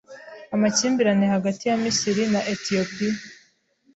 Amakimbirane hagati ya Misiri na Etiyopiya